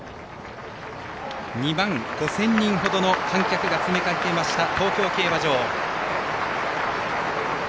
２万５０００人ほどの観客が詰めかけました東京競馬場。